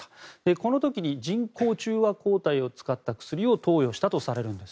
この時に人工中和抗体を使った薬を投与したといわれています。